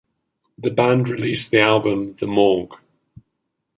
The band released the album The Morgue...